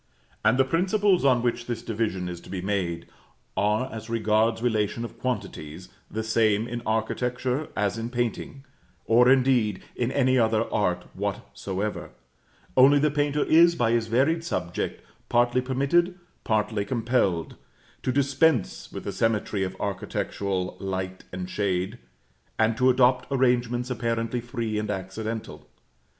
And the principles on which this division is to be made, are as regards relation of quantities, the same in architecture as in painting, or indeed, in any other art whatsoever, only the painter is by his varied subject partly permitted, partly compelled, to dispense with the symmetry of architectural light and shade, and to adopt arrangements apparently free and accidental.